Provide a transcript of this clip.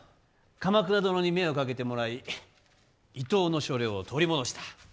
鎌倉殿に目をかけてもらい伊東の所領を取り戻した。